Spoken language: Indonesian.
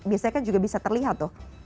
biasanya kan juga bisa terlihat tuh